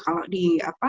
kalau di bagian